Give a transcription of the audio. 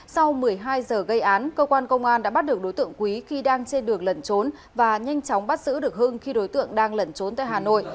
sau một mươi hai giờ gây án cơ quan công an đã bắt được đối tượng quý khi đang trên đường lẩn trốn và nhanh chóng bắt giữ được hưng khi đối tượng đang lẩn trốn tại hà nội